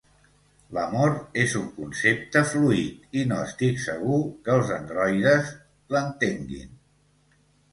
L'amor és un concepte fluid, i no estic segur que els androides l'entenguin.